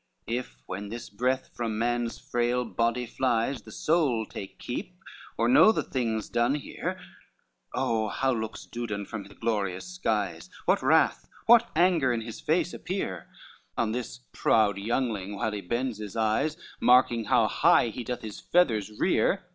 XXI If when this breath from man's frail body flies The soul take keep, or know the things done here, Oh, how looks Dudon from the glorious skies? What wrath, what anger in his face appear, On this proud youngling while he bends his eyes, Marking how high he doth his feathers rear?